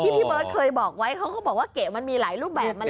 พี่เบิร์ตเคยบอกไว้เขาก็บอกว่าเกะมันมีหลายรูปแบบมาแล้ว